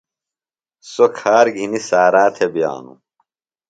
سوۡ کھار گِھنیۡ سارا تھےۡ بِیانوۡ۔